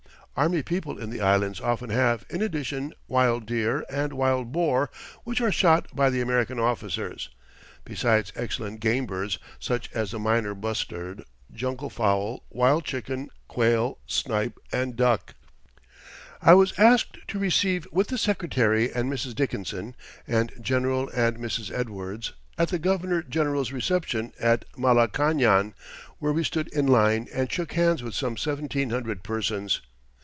Army people in the Islands often have, in addition, wild deer and wild boar which are shot by the American officers, besides excellent game birds, such as the minor bustard, jungle fowl, wild chicken, quail, snipe and duck. [Illustration: MALACAÑAN PALACE.] I was asked to receive with the Secretary and Mrs. Dickinson and General and Mrs. Edwards, at the Governor General's reception at Malacañan, where we stood in line and shook hands with some seventeen hundred persons.